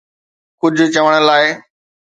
ڪجهه چوڻ لاءِ